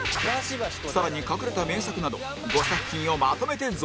更に隠れた名作など５作品をまとめて増量！